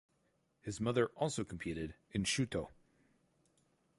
His mother also competed in Shooto.